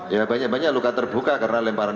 ya banyak banyak luka terbuka karena lemparan